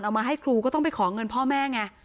เอามาให้ครูก็ต้องไปขอเงินพ่อแม่ไง